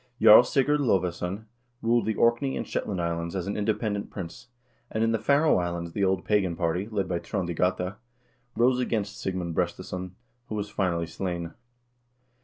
Jarl Sigurd Lodvesson ruled the Orkney and Shetland Islands as an independent prince, and in the Faroe Islands the old pagan party, led by Trond i Gata, rose against Sigmund Brestesson, who was finally slain.